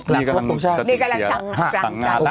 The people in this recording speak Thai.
นี่กำลังจะติดเตียร์แล้วต่างงานแล้ว